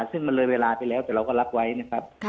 ซึ่งมันเลยเวลาไปแล้วแต่เราก็รับไว้นะครับ